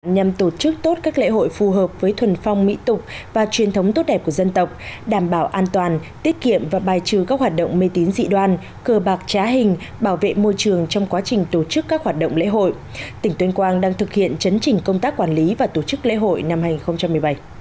nhằm tổ chức tốt các lễ hội phù hợp với thuần phong mỹ tục và truyền thống tốt đẹp của dân tộc đảm bảo an toàn tiết kiệm và bài trừ các hoạt động mê tín dị đoan cờ bạc trá hình bảo vệ môi trường trong quá trình tổ chức các hoạt động lễ hội tỉnh tuyên quang đang thực hiện chấn trình công tác quản lý và tổ chức lễ hội năm hai nghìn một mươi bảy